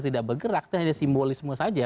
tidak bergerak itu hanya simbolisme saja